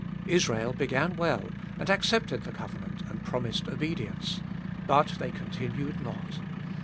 Israel began well, and accepted the covenant, and promised obedience. But they continued not.